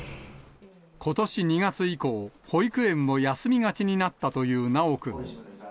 ことし２月以降、保育園を休みがちになったという修くん。